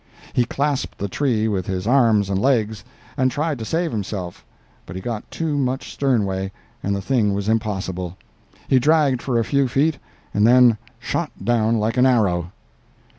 He clasped the tree with his arms and legs, and tried to save himself, but he had got too much sternway, and the thing was impossible; he dragged for a few feet and then shot down like an arrow.